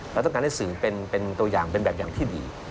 เราต้องการให้สื่อเป็นตัวอย่างเป็นแบบอย่างที่ดี